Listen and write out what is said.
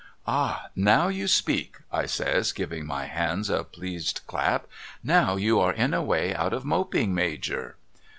* Ah ! Now you speak ' I says giving my hands a pleased clap. ' Now you are in a way out of moping Major